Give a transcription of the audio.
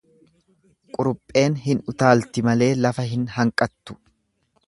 Qurupheen hin utaalti malee lafa hin hanqattu.